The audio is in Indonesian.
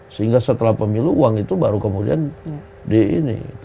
sehingga setelah pemilu uang itu baru kemudian di ini